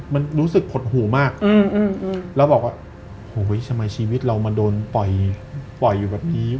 มันรู้สึกหดหูมากแล้วบอกว่าโหยทำไมชีวิตเรามาโดนปล่อยอยู่แบบนี้